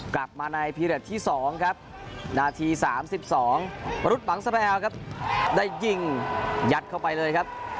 กลับมาในพีเด็ดที่๒ครับนาที๓๒วรุษบังสแบลครับได้ยิงยัดเข้าไปเลยครับ